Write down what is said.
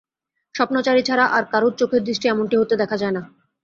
স্বপ্নচারী ছাড়া আর কারুর চোখের দৃষ্টি এমনটি হতে দেখা যায় না।